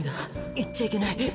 いっちゃいけない」。